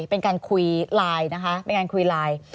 เป็นการคุยไลน์นะคะเป็นการคุยไลน์